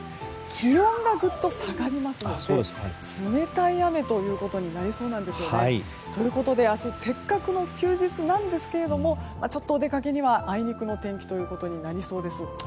気温がぐっと下がりますので冷たい雨ということになりそうなんですね。ということで明日せっかくの休日なんですけどもちょっとお出かけにはあいにくのお天気となりそうです。